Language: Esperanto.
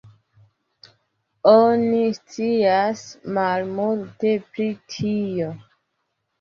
Oni scias malmulte pri tio.